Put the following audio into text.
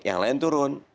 yang lain turun